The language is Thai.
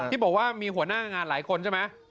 ที่บอกว่ามีหัวหน้างานหลายคนใช่ไหม